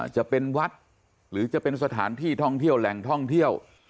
จะเป็นวัดหรือจะเป็นสถานที่ท่องเที่ยวแหล่งท่องเที่ยว